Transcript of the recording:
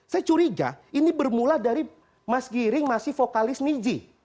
saya curiga ini bermula dari mas giring masih vokalis niji